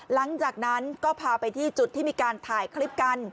หลังจากนั้นก็พาไปที่จุดที่มีการถ่ายคลิปกัน